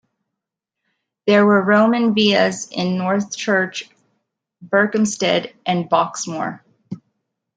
There were Roman villas in Northchurch, Berkhamsted and Boxmoor.